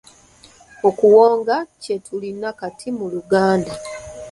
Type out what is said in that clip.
Okuwonga kye tulina kati mu Luganda.